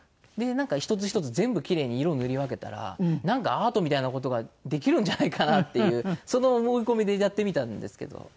なんか１つ１つ全部キレイに色を塗り分けたらなんかアートみたいな事ができるんじゃないかなっていうその思い込みでやってみたんですけど。